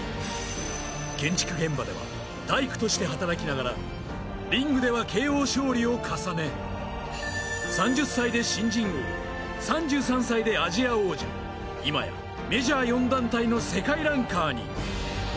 建築現場では大工として働きながら、リングではＫＯ勝利を重ね、３０歳で新人王、３３歳でアジア王者、今や、メジャー４団体の世界ランカーに。